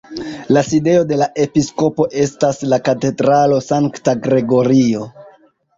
La sidejo de la episkopo estas la katedralo Sankta Gregorio.